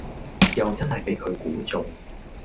又真係俾佢估中